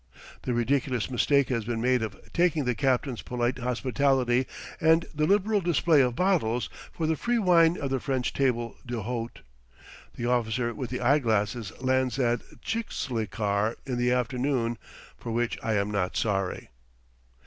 The ridiculous mistake has been made of taking the captain's polite hospitality and the liberal display of bottles for the free wine of the French table d'hote. The officer with the eyeglasses lands at Tchislikar in the afternoon, for which I am not sorry.